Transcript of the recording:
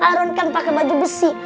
iron kan pakai baju besi